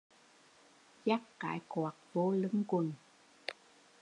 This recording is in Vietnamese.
Dắt cái quạt vô lưng quần